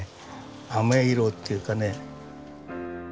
あめ色っていうかね。